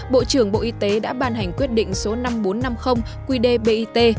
bộ trưởng bộ y tế đã ban hành quyết định số năm nghìn bốn trăm năm mươi qdbit